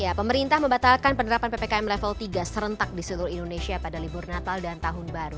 ya pemerintah membatalkan penerapan ppkm level tiga serentak di seluruh indonesia pada libur natal dan tahun baru